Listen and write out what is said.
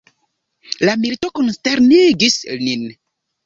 La milito konsternigis nin.